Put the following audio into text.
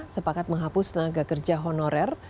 komisi dua sepakat menghapus tenaga kerja honorer